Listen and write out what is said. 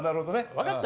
分かった？